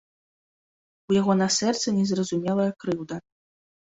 У яго на сэрцы незразумелая крыўда.